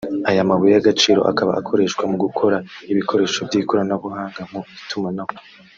Aya mabuye y’agaciro akaba akoreshwa mu gukora ibikoresho by’ikoranabuhanga mu itumanaho